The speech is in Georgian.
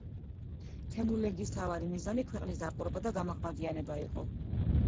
თემურლენგის მთავარი მიზანი ქვეყნის დაპყრობა და გამაჰმადიანება იყო.